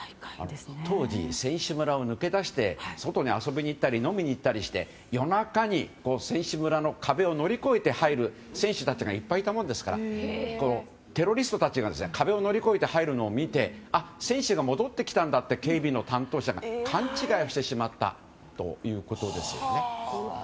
当時、選手村を抜け出して外に遊びに行ったり飲みに行ったりして夜中に、選手村の壁を乗り越えて入る選手たちがいっぱいいたもんですからテロリストたちが壁を乗り越えて入るのを見て選手が戻ってきたんだと警備員の担当者が勘違いをしてしまったということですね。